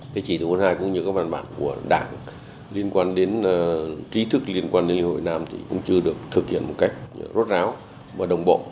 cái chỉ số hai cũng như các văn bản của đảng liên quan đến trí thức liên quan đến hội việt nam thì cũng chưa được thực hiện một cách rốt ráo và đồng bộ